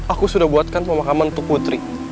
aku sudah buatkan pemakaman untuk putri